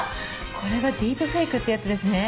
これがディープフェイクってやつですね。